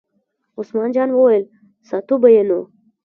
عثمان جان وویل: ساتو به یې نو.